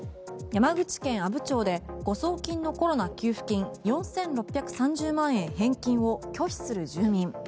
山口県阿武町で誤送金のコロナ給付金４６３０万円返金を拒否する住民。